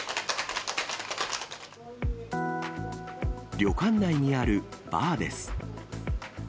旅館内にあるバーです。